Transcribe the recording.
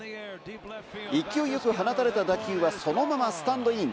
勢いよく放たれた打球はそのままスタンドイン。